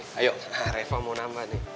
nah refah mau nambah nih